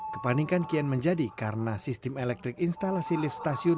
kepanikan kian menjadi karena sistem elektrik instalasi lift stasiun